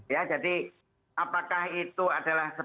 ya jadi apakah itu adalah